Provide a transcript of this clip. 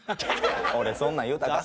俺そんなん言うたか？